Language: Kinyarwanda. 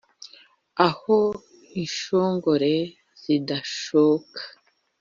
aho inshongore zidashoka